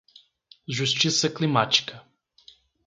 Justiça climática